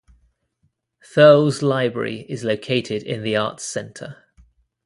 Thurles Library is located in the arts centre.